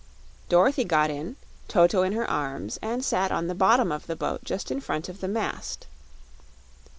Dorothy got in, Toto in her arms, and sat on the bottom of the boat just in front of the mast.